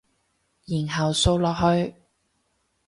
然後掃落去